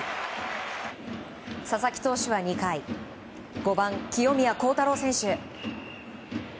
佐々木投手は２回５番、清宮幸太郎選手。